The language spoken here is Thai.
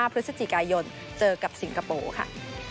พฤศจิกายนเจอกับสิงคโปร์ค่ะ